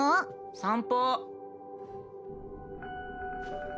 散歩。